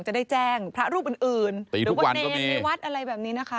จะได้แจ้งพระรูปอื่นหรือว่าเนรในวัดอะไรแบบนี้นะคะ